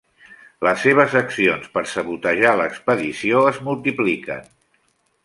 Les seves accions per sabotejar l'expedició es multipliquen.